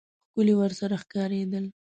ښکلي ورسره ښکارېدل.